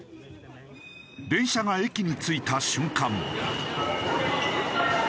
電車が駅に着いた瞬間。